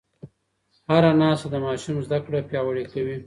هره ناسته د ماشوم زده کړه پیاوړې کوي.